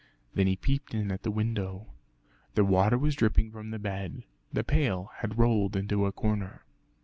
Then he peeped in at the window. The water was dripping from the bed, the pail had rolled into a corner.